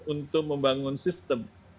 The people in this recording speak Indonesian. untuk membangun sistem